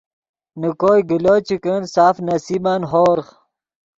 نے کوئے گلو چے کن سف نصیبن ہورغ